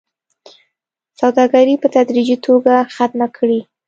سوداګري په تدريجي توګه ختمه کړي